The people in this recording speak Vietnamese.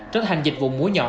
cho thành dịch vụ múa nhọc